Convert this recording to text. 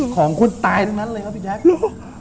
ของคนตายทั้งนั้นเลยครับพี่แจ๊ค